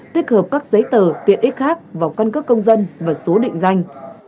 tiết hợp các giấy tờ tiện ích khác vào cân cước công dân và số định danh